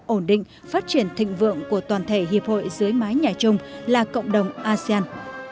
ổn định phát triển thịnh vượng của toàn thể hiệp hội dưới mái nhà chung là cộng đồng asean